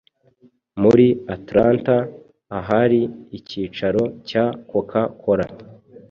Muri aAtlanta ahari ikicaro cya Coca cola